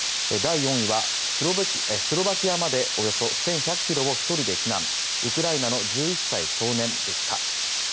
第４位はスロバキアまでおよそ１１００ｋｍを１人で避難ウクライナの１１歳少年でした。